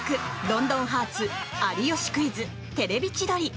「ロンドンハーツ」「有吉クイズ」「テレビ千鳥」